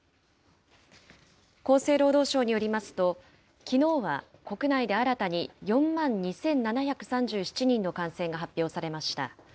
厚生労働省によりますと、きのうは国内で新たに４万２７３７人の感染が発表されました。